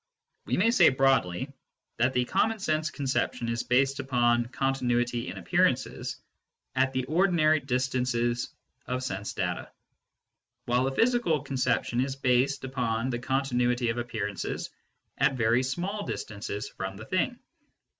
We may say, broadly, that the common sense conception is based upon con tinuity in appearances at the ordinary distances of sense data, while the physical conception is based upon the continuity of appearances at very small distances from the thing.